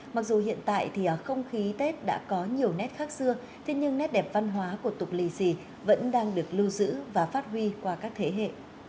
mặc dù hiện tại thì không khí tết đã có nhiều nét khác xưa thế nhưng nét đẹp văn hóa của tục lì xì vẫn đang được lưu giữ và phát huy qua các thế hệ